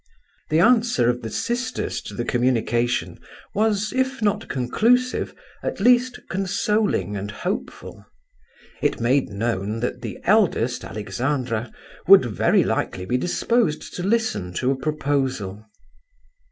The answer of the sisters to the communication was, if not conclusive, at least consoling and hopeful. It made known that the eldest, Alexandra, would very likely be disposed to listen to a proposal.